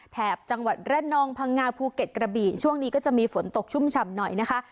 แถบจังหวัดระนองพังงาภูเก็ตกระบี่ช่วงนี้ก็จะมีฝนตกชุ่มฉ่ำหน่อยนะคะ